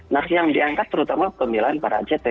nah yang diangkat terutama pemilihan para act